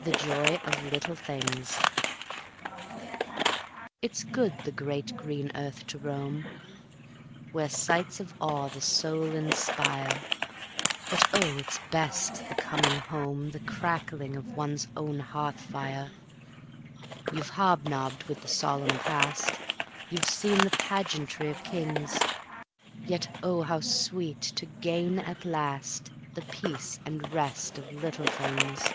The Joy of Little Things It's good the great green earth to roam, Where sights of awe the soul inspire; But oh, it's best, the coming home, The crackle of one's own hearth fire! You've hob nobbed with the solemn Past; You've seen the pageantry of kings; Yet oh, how sweet to gain at last The peace and rest of Little Things!